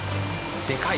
でかい。